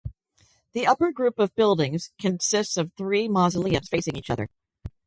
The upper group of buildings consists of three mausoleums facing each other.